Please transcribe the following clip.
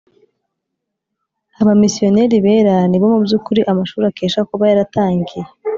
Abamisiyoneri bera ni bo mu by’ukuri amashuri akesha kuba yaratangiye